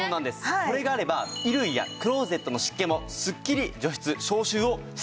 これがあれば衣類やクローゼットの湿気もすっきり除湿消臭をしてくれるんですね。